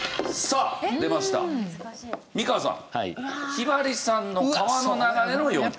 ひばりさんの『川の流れのように』。